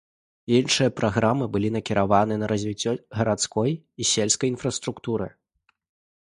Іншыя праграмы былі накіраваны на развіццё гарадской і сельскай інфраструктуры.